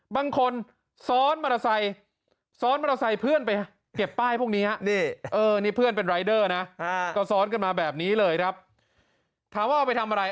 ถามว่าเอาไปทำอะไร